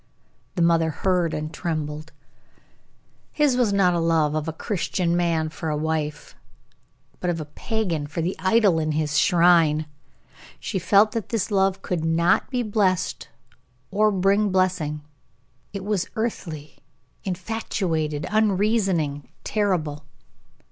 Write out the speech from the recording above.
The mother heard and trembled. His was not the love of a Christian man for a wife, but of a pagan for the idol in his shrine. She felt that this love could not be blessed or bring blessing; it was earthly, infatuated, unreasoning, terrible.